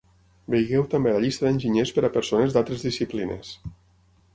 Vegeu també la llista d'enginyers per a persones d'altres disciplines.